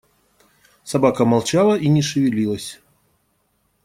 Собака молчала и не шевелилась.